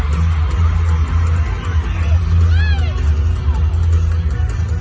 สุดท้ายก็อยู่ในเมืองน้ำตา